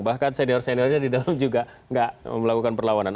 bahkan senior seniornya di dalam juga nggak melakukan perlawanan